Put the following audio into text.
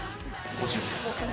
５０。